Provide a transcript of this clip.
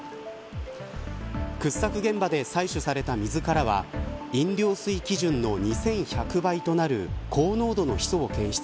掘削現場で採取された水からは飲料水基準の２１００倍となる高濃度のヒ素を検出。